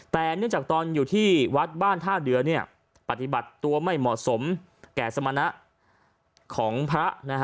แต่เนื่องจากตอนอยู่ที่วัดบ้านท่าเรือปฏิบัติตัวไม่เหมาะสมแก่สมณะของพระ